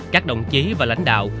các đồng chí và lãnh đạo